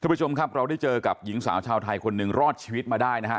ผู้ชมครับเราได้เจอกับหญิงสาวชาวไทยคนหนึ่งรอดชีวิตมาได้นะฮะ